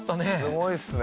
すごいっすね。